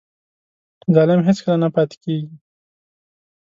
ظلم هېڅکله نه پاتې کېږي.